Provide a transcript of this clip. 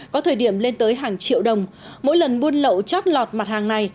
có thời điểm lên tới hàng triệu đồng mỗi lần buôn lậu chót lọt mặt hàng này